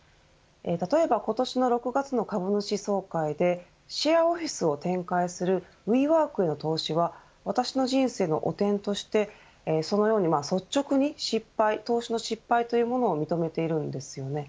例えば、今年の６月の株主総会でシェアオフィスを展開するＷｅＷｏｒｋへの投資は私の人生の汚点としてそのように率直に失敗投資の失敗というものを認めているんです。